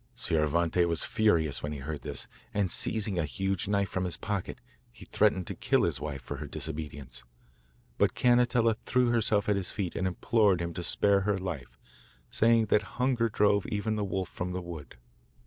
Scioravante was furious when he heard this, and seizing a huge knife from his pocket he threatened to kill his wife for her disobedience. But Cannetella threw herself at his feet and implored him to spare her life, saying that hunger drove even the wolf from the wood.